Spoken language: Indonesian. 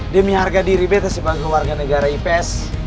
demi harga diri b bagi warga negara ipes